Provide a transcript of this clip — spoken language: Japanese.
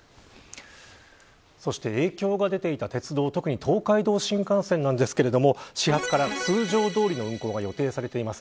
そして影響が出ていた鉄道特に、東海道新幹線ですが始発から通常どおりの運行が予定されています。